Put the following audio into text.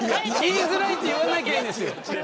言いづらいって言わなきゃいいんですよ。